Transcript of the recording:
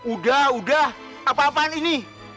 udah udah apa apaan ini